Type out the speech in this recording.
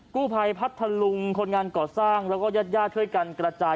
กู้ภัยพัทธลุงคนงานก่อสร้างแล้วก็ญาติญาติช่วยกันกระจาย